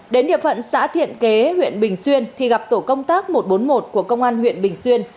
đến địa phận xã thiện kế huyện bình xuyên thì gặp tổ công tác một trăm bốn mươi một của công an huyện bình xuyên